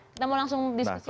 kita mau langsung diskusi